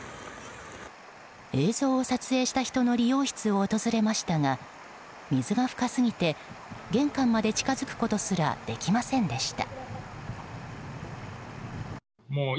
映像を撮影した人の理容室を訪れましたが水が深すぎて玄関まで近づくことすらできませんでした。